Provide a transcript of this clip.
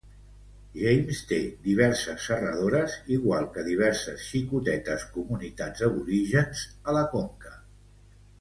James té diverses serradores igual que diverses xicotetes comunitats aborígens a la conca.